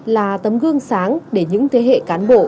là tấm gương sáng để những thế hệ cán bộ